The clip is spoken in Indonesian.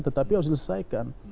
tetapi harus diselesaikan